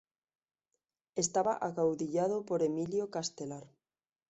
Estaba acaudillado por Emilio Castelar.